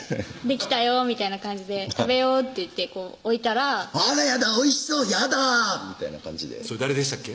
「できたよ」みたいな感じで「食べよう」って言って置いたら「あらやだおいしそうやだ」みたいな感じでそれ誰でしたっけ？